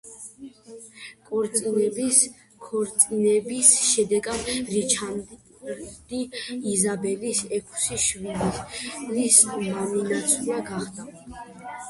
ქორწინების შედეგად რიჩარდი იზაბელის ექვსი შვილის მამინაცვალი გახდა.